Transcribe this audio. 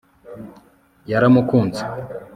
yaramukunze